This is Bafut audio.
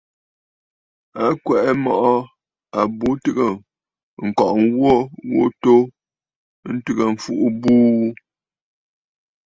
À kwɛ̀ʼɛ mɔʼɔ àbu tɨgə̀ ŋ̀kɔʼɔ ŋwò ghu atu ntɨgə mfuʼu buu.